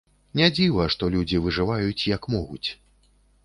Не дзіва, што людзі выжываюць, як могуць.